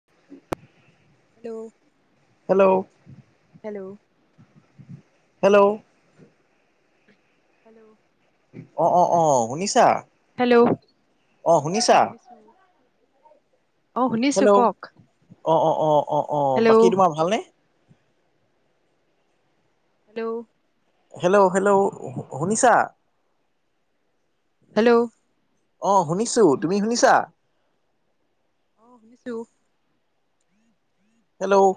[inaudible] Hello hello hello hello [inaudible] অ', অ, অ, শুনিছা? হেল্ল' অ', অ শুনিছা শুনিছো। অ', শুনিছো হেল্ল' কওক। অ', অ, অ, অ, অ, হেল্ল' বাকী তোমাৰ ভালনে? হেল্ল' হেল্ল' হেল্ল' শুনিছা? হেল্ল'। অ', শুনিছো তুমি শুনিছা? শুনিছো। হেল্ল'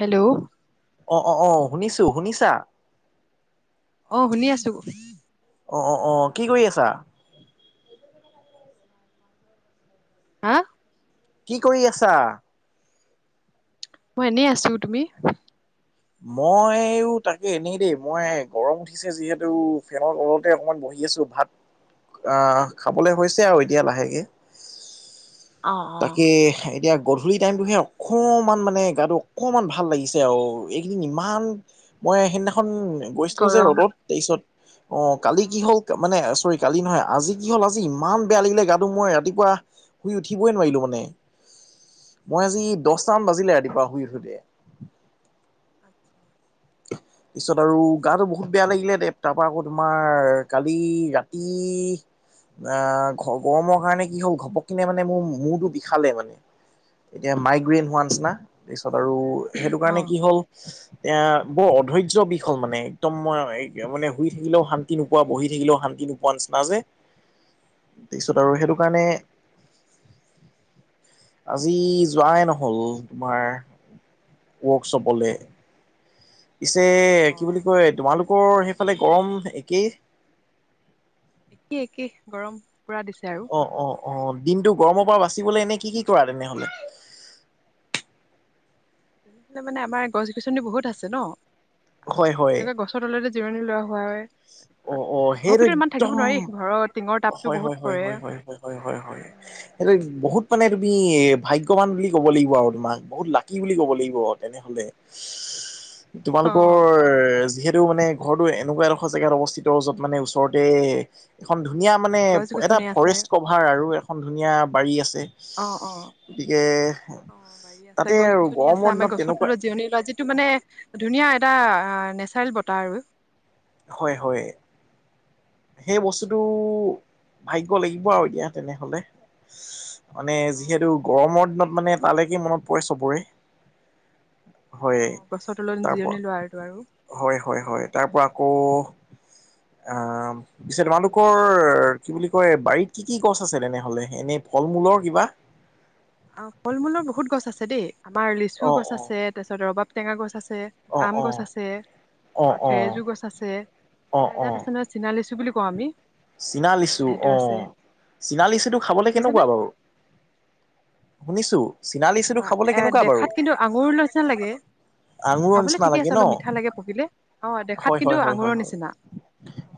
হেল্ল' অ', অ, অ, শুনিছো শুনিছা? অ', শুনি আছো। অ', অ, অ, কি কৰি আছা? হা? কি কৰি আছা? মই এনেই আছো, তুমি? মইও তাকে এনেই দেই মই গৰম উঠিছে যিহেতু ফেনৰ তলতে অকনমান বহি আছো ভাত, আহ খাবলে হৈছে আৰু এতিয়া লাহেকে অ অ তাকে এতিয়া গধূলি টাইমটোহে অকণমান মানে গাটো অকণমান ভাল লাগিছে আৰু এইকেইদিন ইমান। মই সেইদিনাখন গৈছিলোঁ যে গৰম ৰ'দত তেইছত। অ কালি কি হ'ল মানে। কালি নহয় আজি কি হ'ল আজি ইমান বেয়া লাগিলে গাটো মই ৰাতিপুৱা শুই উঠি। [unintelligible] মই আজি দচটা মান ব বাজিলে ৰাতিপুৱা শুই উঠোতে। [unintelligible] [unintelligible] পিছত আৰু গাটো বহুত বেয়া লাগিলে দে তাৰপা আকো তোমাৰ কালি ৰাতি আহ গৰমৰ কাৰণে কি হ'ল ঘপক কিনে মানে মোৰ মূৰটো বিষালে মানে। এতিয়া অ মাইগ্ৰেইন হোৱা নিচিনা, তাৰছত আৰু সেইটো অ কাৰণে কি হ'ল, এয়া বৰ অধৈৰ্য বিষ হল মানে একদম মই মানে শুই থাকিলেও শান্তি নোপোৱা বহি থাকিলেও শান্তি নোপোৱা নিচি [unintelligible] তাৰপিছত আৰু সেইটো অ কাৰণে আজি যোৱাই নহল তোমাৰ ৱৰ্কশ্বপলে। পিছে অ কি বুলি কয় তোমালোকৰ সেইফালে গৰম একেই? একে একে, গৰম পুৰা দিছে আৰু। অ অ অ দিনটো গৰমৰ পৰা বাচিবলৈ এনে উম কি কি কৰা তেনেহ'লে। তেনেহলে মানে আমাৰ গছ গছনি বহুত আছে ন। হয় হয় তেনেকে গছৰ তলতে জিৰণি লোৱা হোৱা হয়। [unintelligible] অ তাৰপিছত অ ঘৰৰ সেইটো ভিতৰত ইমান থাকিব একদম নোৱাৰি ঘৰৰ টিঙৰ তাপতো হয় বহুত হয় হয় পৰে হয় হয় উম সেইটো। বহুত মানে তুমি ভাগ্যৱান বুলি ক'ব লাগিব আৰু তোমাক বহুত লাকি বুলি ক'ব লাগিব তেনেহলে। অ তোমালোকৰ যিহেতু মানে ঘৰটো এনেকুৱা এড্। জেগাত অৱস্থিত য'ত মানে ওচৰতে এখন। ধুনীয়া মানে গছ এটা গছনি আছে ফৰেষ্ট কভাৰ আৰু এখন ধুনীয়া বাৰী আছে। অ অ গতিকে বাৰী আছে তাতে গছ আৰু গছনি আছে গৰমৰ আমাৰ দিনত গছৰ তেনেকুৱা তলত জিৰণি লোৱা যিটো মানে ধুনীয়া। এটা নেচাৰেল বতাহ আৰু হয় হয়। সেই বস্তুটো ভাগ্য লাগিব আৰু এতিয়া তেনেহলে। মানে অ যিহেতু গৰমৰ দিনত মানে তালৈকে মনত পৰে চবৰে। হয় অ গছৰ তলত তাৰপ জিৰণি লোৱা আৰু আৰু হয় হয় হয় তাৰ পৰা আকৌ। অহ। পিছে তোমালোকৰ কি বুলি কয় বাৰীত কি কি গছ আছিল তেনেহলে এনেই ফল মূলৰ কিবা। [unintelligible] অ ফল মূলৰ বহুত গছ আছে দেই আমাৰ লিচু অ গছ অ আছে তাৰপিছত ৰবাব টেঙা গছ আছে। আছে অ আম অ গছ আছে। অ আৰু থেৰেজো অ গছ আছে আৰু এজাত আছে নহয় চীনা লিচু বুলি কওঁ আমি। চিনা এ লিচু সেইটো অ আছে অ চিনা লিচুটো চীনালিচু খাবলৈ শুনিছেনে কেনেকুৱা বাৰু শুনিছো চীনা লিচুটো কেনেকুৱা খাবলৈ এ কেনেকুৱা বাৰু দেখাত কিন্তু আঙুল নিচিনা লাগে। আঙুৰৰ খাবলৈ নিচিনা ঠিকে লাগে আছে ন অলপ মিঠা লাগে পকিলে অ দেখাত হয় কিন্তু হয় হয় হয় আঙুৰৰ হয় নিচিনা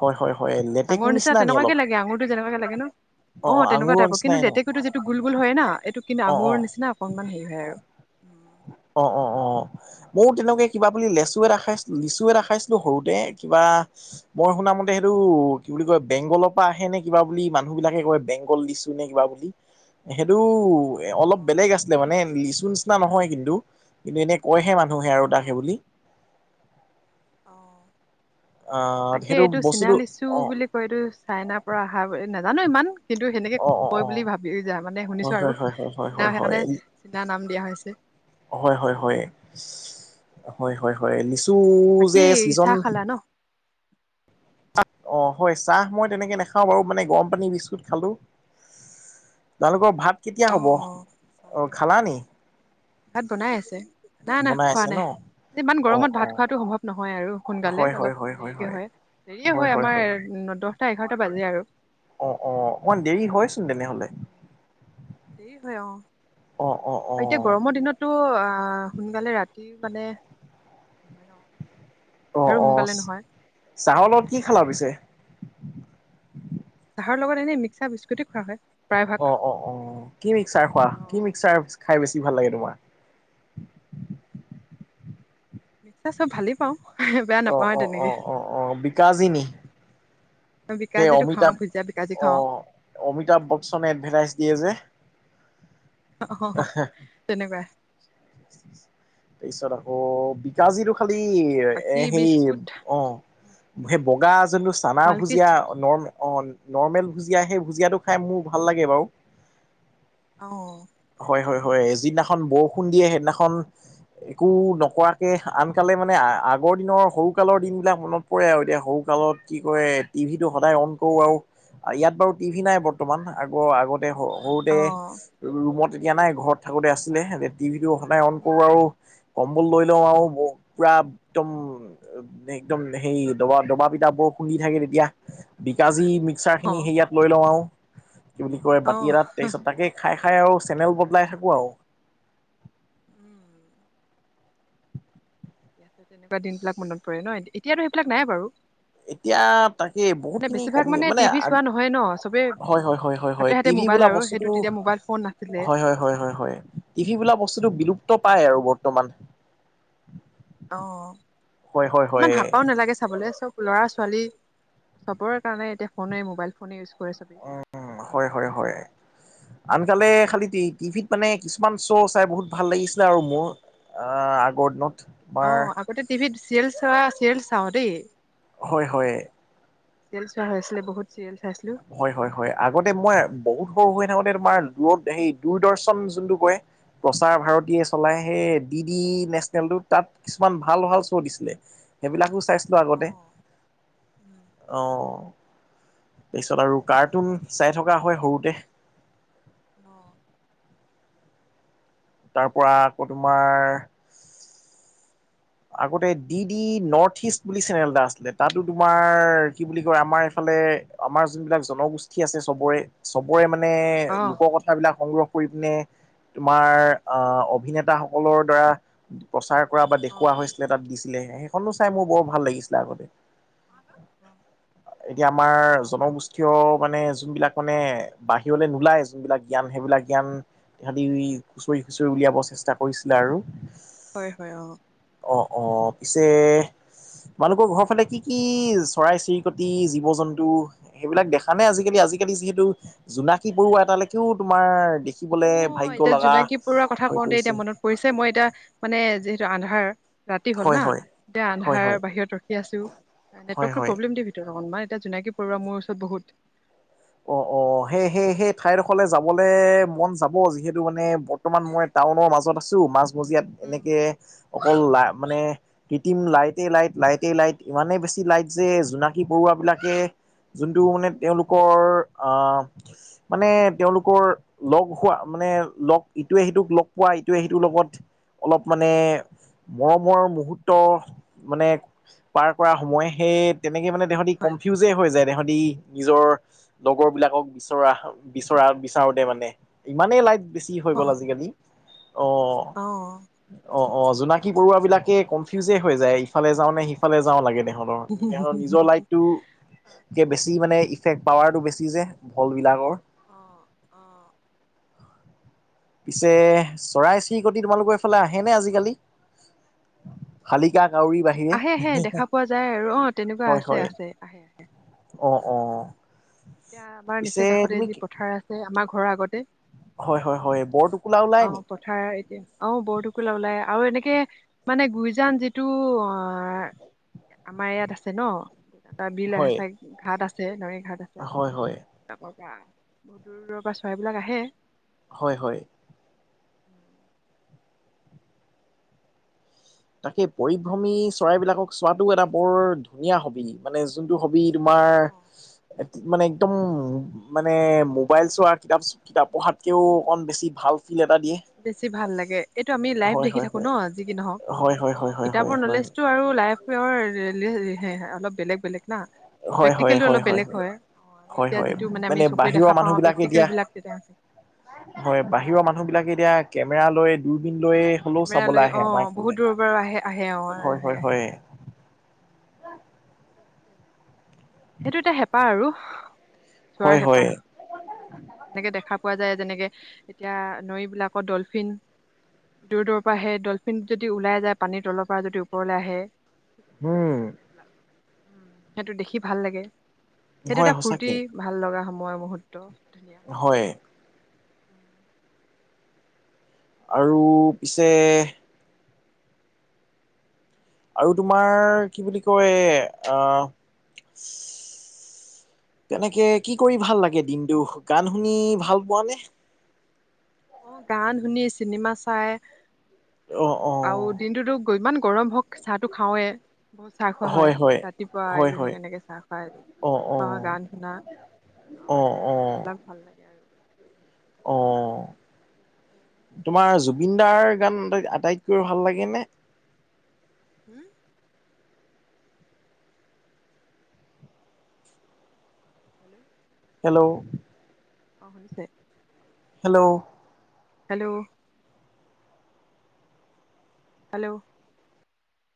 হয় হয় হয় লেটেকু। নিচা নিচিনা নি তেনেকুৱাকে অলপ লাগে আঙুৰটো যেনকাকে লাগে ন অ তেনেকুৱা আঙুৰৰ টাইপ কিন্তু নিচিনাই ন লেটেকুটো যিটো গুল গুল হয় না এইটো কিন্তু অ আঙুৰ নিচিনা। অকনমান হেৰি হয় আৰু অ অ অ অ ময়ো তেনেকে কিবা বুলি লেচু এটা খাইছিলো লিচু এটা খাইছিলো সৰুতে কিবা মই শুনা মতে সেইটো কি বুলি কয় বেংগলৰ পৰা আহে নে কিবা বুলি মানুহ বিলাকে কয়, বেংগল লিচু নে কিবা বুলি। সেইটো অলপ বেলেগ আছিলে মানে লিচু নিচিনা নহয়। কিন্তু এনে কয়হে মানুহে আৰু তাকে বুলি। অহ অ আহ তাকে সেইটো এইটো চীনা বস্তুটো লিচু বুলি কয়, এইটো চাইনাৰ পৰা অহা বুলি নাজানো ইমান কিন্তু। সেনেকে অ অ কয় বুলি ভাবি যা মানে অ শুনিছোঁ হয় আৰু, হয় হয় হয় চীনা হয় হয় হয় সেইকাৰণে চীনা নাম দিয়া হৈছে। হয় হয় হয় হয় হয় হয় লিচু বাকী যে ছিজন চাহ খালা ন অ হয় চাহ মই তেনেকে নাখাওঁ বাৰু, মানে গৰম পানী বিস্কুট খালো। তোমালোকৰ ভাত কেতিয়া অ হ'ব, অ অ চাহ খালা নি? ভাত বনাই আছে। নাই নাই বনাই খোৱা আছে ন? নাই ইমান অ গৰমত অ ভাত খোৱাাতটো সম্ভৱ নহয় আৰু, সোনকালে হয় হয় অলপ হয় দেৰিকে হয় দেৰিয়ে হয় আমাৰ দহটা এঘাৰটা বাজে আৰু। অ অ অন দেৰি হয়চোন তেনেহলে। দেৰি হয় অ, অ অ অ এতিয়া গৰমৰ দিনতো আহ সোনকালে ৰাতি মানে অ আন্ধাৰো অ সোনকালে নহয় চহৰলগত কি খালা পিছে? চাহৰলগত এনেই মিক্সাৰ বিস্কুটি খোৱা হয়। প্ৰায়ভাগ অ অ অ কি মিক্সাৰ খোৱা অ কি মিক্সাৰ খাই বেছি ভাল লাগে তোমাৰ? না, চব ভালেই পাওঁ। বেয়া অ নাপাওঁৱে অ অ তেনেকে অ অ বিকাজি নি? অ সেই বিকাজিটো খাওঁ অমিতাভ ভুজিয়া বিকাজি খাওঁ আহ, অমিতাভ বচ্চনে এডভাৰটাইজ দিয়ে যে। অহ তেনেকুৱা। তাৰপিছত আকৌ বিকাজিৰো খালি বাকী এ সেই বিস্কুট অ সেই বগা যোনটো চানা মালকিষ্ট ভুজিয়া নৰ্ম অ নৰ্মেল ভুজিয়া, সেই ভুজিয়াটো খাই মোৰ ভাল লাগে বাৰু। অ হয় হয় হয় যিদিনাখন বৰষুণ দিয়ে সেইদিনাখন একো নকৰাকে আনকালে মানে আগৰ দিনৰ সৰুকালৰ দিন বিলাক মনত পৰে আৰু, এতিয়া সৰুকাল তলত কি কৰে, টিভি টো সদায় অন কৰো আৰু ইয়াত বাৰু টিভি নাই বৰ্তমান আগৰ আগত সৰুতে অ ৰুমত এতিয়া নাই, ঘৰত থাকোতে আছিলে টিভি টো নাই অন উম কৰো আৰু কম্বল লৈ লওঁ আৰু, ম পুৰা একদম একদম হেই দবা দবা পিটা ব খুন্দি থাকে তেতিয়া বিকাজী মিক্সাৰখিনি অ', সেইয়াত লৈ লওঁ আৰু কি বুলি কয় বাতি অ', এটাত, তাৰপিছত তাকে খাই খাই আৰু চেনেল বদলাই থাকো আৰু উম তেনেকুৱা দিন বিলাক মনত পৰে ন, এতিয়াতো সেইবিলাক নাই বাৰু এতিয়া তাকে বহুত মানে খিনি বেছিভাগ কমি মানে টিভি চোৱা নহয় ন' চবেই হয় হয় হয় হয় হাতে হয়তি হাতে মোবাইল বোলা আৰু বস্তটো সেইটো তেতিয়া মোবাইল ফোন নাছিলে। হয় হয় হয় হয়, টিভি বোলা বস্তুটো বিলুপ্ত পাই আৰু ব বৰ্তমান অ হয় হয় ইমান হয় হাপাও নালাগে চাবলৈ চব ল'ৰা ছোৱালী চবৰ কাৰণে এতিয়া ফোনেই ম'বাইল ফোনেইউজ উ হয় হয় হয়, আনকালে খালি টিভিত মানে কিছু কিছুমান শ্ব' চাই বহুত ভাল লাগিছিলে আৰু মোৰ, অহ আগৰ দিনত। অ তোমাৰ আগতে টিভিত চিৰিয়েল চ চিৰিয়েল চাওঁ দেই হয় হয়। চিৰিয়েল চোৱা হৈছিল বহুত চিৰি হয় হয় হয় আগতে মই বহুত সৰু হৈ থাকোতে তোমাৰ [unintelligible] সেই দূৰদৰ্শন যোনটো কৰে প্ৰচাৰ ভাৰতীয়ে চলাই সেই ডি ডি নেশনেলটো তাত কিছুমান ভাল ভাল শ্বো দিছিলে, সেইবিলাকো চাইছ [unintelligible] আগতে অ', উম, অ', তাৰপিছত আৰু কাৰ্টুন চাই থকা হয় সৰুতে। [inaudible] তাৰপৰা আকৌ তোমাৰ আগতে ডি ডি নৰ্থ ইষ্ট বুলি চেনেল এটা আছিলে তাতো তোমাৰ কি বুলি কয় আমাৰ এইফালে আমাৰ যোনবিলাক জনগোষ্ঠী আছে চবৰে চবৰে মানে অ', অ', লোক কথাবিলাক সংগ্ৰহ তোমাৰ আ অভিনেতা সকলৰ দ্বাৰা প্ৰচাৰ কৰা। অ', খোৱা হৈছিলে তাত দিছিলে সেইখনো চাই মোৰ অ', বৰ ভাল লাগিছিলে আগতে এতিয়া আমাৰ আমাৰ জনগোষ্ঠীয় মানে যোনবিলাক মানে বাহিৰলে নোলায় যোনবিলাক জ্ঞান সেইবিলাক জ্ঞান সিহঁতি খুচৰি খুচৰি উলিয়াব চেষ্টা কৰিছিলে আৰু হয় হয় অ অ অ পিছে তোমালোকৰ ঘৰৰ ফালে কি কি চৰাই চিৰিকটি জীৱ জন্তু সেইবিলাক দেখা নে আজিকালি আজিকালি যিহেতু জোনাক কি পৰুৱা এটালৈকেও তোমাৰ অ দেখিবলে ভাগ্য এতিয়া লগা জোনাকী হৈ গৈছে। এটা মানে যিহেতু আন্ধাৰ। ৰাতি হল হয় না, হয় এতিয়া হয় হয় আন্ধাৰ বাহিৰত ৰখি আছো, হয় নেটৱৰ্কতটো হয় প্ৰব্লেম দিয়ে ভিতৰত। [unintelligible] অকণমান এতিয়া জোনাকি পৰুৱা মোৰ ওচৰত বহুত অ', অ', সেই সেই সেই ঠাইডোখৰলে যাবলে মন যাব যিহেতু মানে বৰ্তমান মই টাউনৰ মাজত আছো মাজ মজিয়াত উম এনেকে অকল লা মানে কৃত্ৰিম লাইটে লাইট লাইটে লাইট ইমানে বেছি লাইট যে জোনাকী পৰুৱা বু বিলাকে, যোনটো মানে তেওঁলোকৰ [unintelligible] আহ মানে তেওঁলোকৰ লগ হোৱা মানে লগ ইটোৱে সিটোক লগ পোৱা ইটোৱে সেইটোৰ লগত। অলপ মানে, মৰমৰ মুহূৰ্ত মানে, পাৰ কৰা সময় সে তেনেকে মানে তেহঁতি কনফিউজে হৈ যায় তেহঁতি নিজৰ লগৰ বিলাকক বিচৰা বিচৰা বিচাৰোতে মানে ইমানেই লাইট বেছি হৈ অ গ'ল আজিকালি, অ', অ', অ', জোনাকী পৰুৱাবিলাকে কনফিউজে হৈ যায় ইফালে যাওঁ নে সিফালে যাওঁ লাগে দে। ধৰণৰ তেতিয়া নিজৰ লাইটটোৰকে বেছি মানে ইফেক্ট পাৱাৰটো বেছ ছি যে ভল বিলাকৰ। অ', অ, পিছে চৰাই চিৰিকটি তোমালোকৰ এইফালে আহেনে আজিকালি? শালিকা। কাউৰীৰ বাহিৰে আহে আহে দেখা পোৱা যায় আৰু অ', তেনেকুৱা হয় আছে হয় আছে আহে। অ', অ, এতিয়া আমাৰ নিচে পিছে কাষতে তুমি যি কি পথাৰ আছে আমাৰ ঘৰৰ আগতেই হয় হয় হয় বৰটোকোলা ওলাই নি অ', পথাৰ এতিয়া অ', বৰ টোকুলা ওলাই আৰু এনে মানে, মানে গুইজান যিটো অ আ আমাৰ ইয়াত আছে ন এটা বিল সে হয় চাইড ঘাট আছে হয় হয় এয়া পা যা। বহুত দূৰ দূৰৰ পৰা চৰাইবিলাক আহে হয় হয় [inaudible] তাকে পৰিভ্ৰমী চৰাইবিলাকক চোৱাটো এটা বৰ ধুনীয়া হবি মানে যোনটো হবি তোমাৰ মানে একদম মানে মোবাইল চোৱা কিতাপ কিতাপ পঢ়াতকেও অকণ বেছি ভাল ফিল এটা দিয়ে বেছি ভাল লাগে এইটো আমি লাইফ হয় দেখি হয় থাকো ন হয় যি কি নহওঁক হয় হয় অ হয় কিতাপৰ হয় হয় নলেজটো আৰু লাইফৰ অলপ বেলেগ বেলেগ না হয় হয় হয় হয় প্ৰেক্টিকেলটো হয় অলপ বেলেগ হয়। আমি হয় এতিয়া হয় যিটো মানে আমি চকুৱে বাহিৰৰ দেখা মানুহ পাওঁ বিলাকে প্ৰেক্টিকেল এতিয়া বিলাক তেতিয়া হয় বাহিৰৰ মানুহ বিলাকে এতিয়া কেমেৰা লৈ দূৰ লৈ হ'লো কেমেৰা চাবলে লৈ অ আহে আমাৰ বহুত এইফালে দূৰৰ পৰা আহে আহে অ হয় আহে হয় আহে হয়ে [inaudible] সেইটো এটা হেঁপাহ আৰু চোৱাৰ হয় হয় হেঁপাহ, তেনেকে দেখা পোৱা যায়। যেনেকে এতিয়া নৈবিলাকত ডলফিন দূৰ দূৰৰ পৰা আহে ডলফিন যদি ওলাই যায় পানীৰ তলৰ পৰা যদি ওপৰলে আহে। হোম এইবিলাক উম সেইটো দেখি ভাল লাগে সেইটো হয় এটা ফুৰ্তি সঁচাকে ভাল লগা সময়ৰ মুহূৰ্ত। হয় [inaudible] আৰু পিছে আৰু তোমাৰ কি বুলি কয় আহ তেনেকে কি কৰি ভাল লাগে দিনটো গান শুনি ভাল পোৱা নে? অ গান শুনি চিনেমা চাই অ অ আৰু দিনটোতো ইমান গৰম হওঁক চাহটো খাওঁৱে। বহুত চাহ খোৱা হয় ৰাতিপুৱা হয় হয় ইভিনিং এনেকে চাহ খাই, অ অ চিনেমা গান শুনা [unintelligible] অ তেনেকুৱা বিলাক ভাল লাগে আৰু অঁ তোমাৰ জুবিন দাৰ গান আটাইতকৈ ভাল লাগে নে হোম হেল্ল' হেল্ল' অ শুনিছে হেল্ল' হেল্ল' হেল্ল'